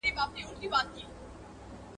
زه مخکې درس لوستی و!